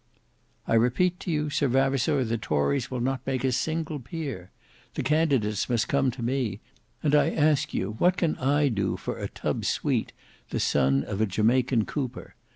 "I repeat to you, Sir Vavasour, the tories will not make a single peer; the candidates must come to me; and I ask you what can I do for a Tubbe Sweete, the son of a Jamaica cooper?